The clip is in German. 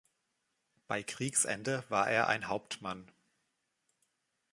Bei Kriegsende war er ein Hauptmann.